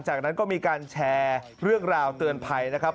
จากนั้นก็มีการแชร์เรื่องราวเตือนภัยนะครับ